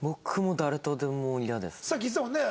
さっき言ってたもんね